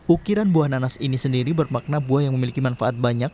ukiran buah nanas ini sendiri bermakna buah yang memiliki manfaat banyak